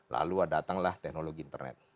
lalu datanglah teknologi internet